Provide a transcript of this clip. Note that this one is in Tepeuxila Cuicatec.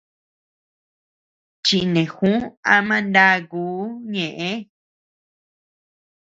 Chineju ama ndakuu ñeʼe.